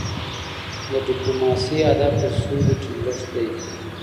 د ډيپلوماسی هدف د سولې ټینګښت دی.